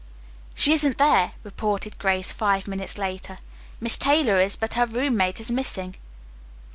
"She isn't there," reported Grace, five minutes later. "Miss Taylor is, but her roommate is missing."